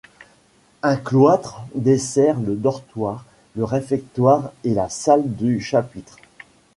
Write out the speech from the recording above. Un cloître dessert le dortoir, le réfectoire et la salle du chapitre.